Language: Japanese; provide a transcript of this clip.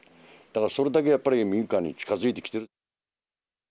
だから、それだけやっぱり民家に近づいてきている。